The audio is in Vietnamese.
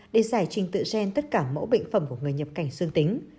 để giải trình tự gen tất cả mẫu bệnh phẩm của người nhập cảnh dương tính